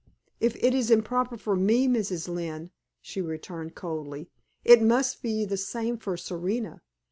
"If it is improper for me, Mrs. Lynne," she returned coldly, "it must be the same for Serena.